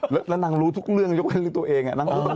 แล้วนางรู้ทุกเรื่องยกตัวเอง